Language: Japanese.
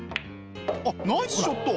あっナイスショット！